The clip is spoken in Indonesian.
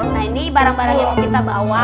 nah ini barang barang yang mau kita bawa